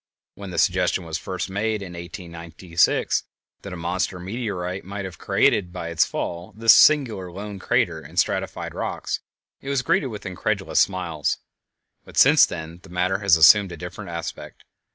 When the suggestion was first made in 1896 that a monster meteorite might have created by its fall this singular lone crater in stratified rocks, it was greeted with incredulous smiles; but since then the matter has assumed a different aspect.